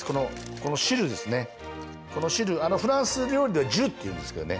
このこの汁フランス料理では「ジュ」っていうんですけどね